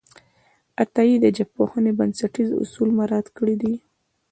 عطایي د ژبپوهنې بنسټیز اصول مراعت کړي دي.